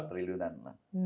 empat triliunan lah